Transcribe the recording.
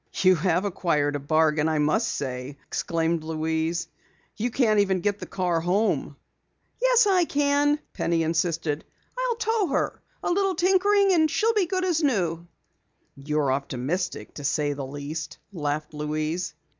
"You have acquired a bargain, I must say!" exclaimed Louise. "You can't even get the car home." "Yes, I can," Penny insisted. "I'll tow her. A little tinkering and she'll be as good as new." "You're optimistic, to say the least," laughed Louise.